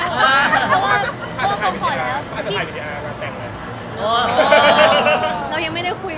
เพราะว่าเราจะได้เติมตัวไว้ก่อน